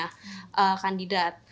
jadi masih ada yang kandidat